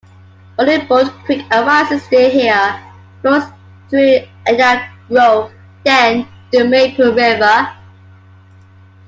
Odebolt Creek arises near here, flows through Ida Grove, then into the Maple River.